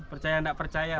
percaya nggak percaya